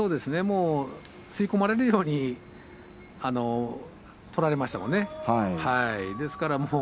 吸い込まれるように取られてしまったですね。